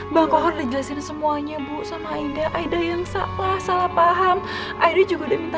bang kohar udah jelasin semuanya bu sama aida aida yang salah salah paham aida juga udah minta